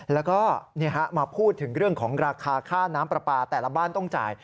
แล้วก็มาพูดถึงเรื่องของราคาค่าน้ำปลาปลาแต่ละบ้านต้องจ่าย